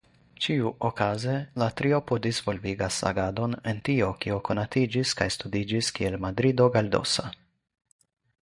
Ĉiuoakze la triopo disvolvigas agadon en tio kio konatiĝis kaj studiĝis kiel Madrido galdosa.